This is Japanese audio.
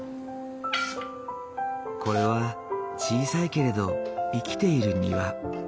これは小さいけれど生きている庭。